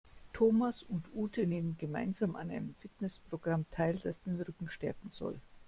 Thomas und Ute nehmen gemeinsam an einem Fitnessprogramm teil, das den Rücken stärken soll.